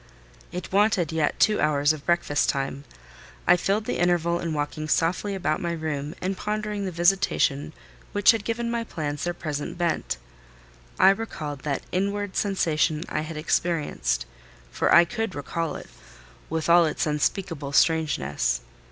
It wanted yet two hours of breakfast time. I filled the interval in walking softly about my room, and pondering the visitation which had given my plans their present bent. I recalled that inward sensation I had experienced: for I could recall it, with all its unspeakable strangeness.